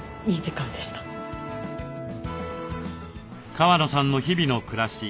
川野さんの日々の暮らし